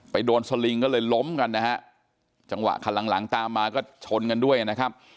โดนสลิงก็เลยล้มกันนะฮะจังหวะคันหลังหลังตามมาก็ชนกันด้วยนะครับ